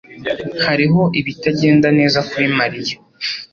Hariho ibitagenda neza kuri Mariya.